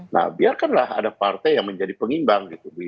nah biarkanlah ada partai yang menjadi pengimbang gitu